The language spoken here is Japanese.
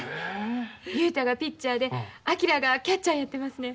雄太がピッチャーで昭がキャッチャーやってますねん。